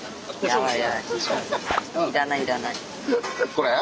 これ？